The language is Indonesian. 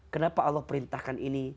kenapa allah perintahkan ini